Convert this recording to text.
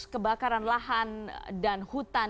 kebakaran lahan dan hutan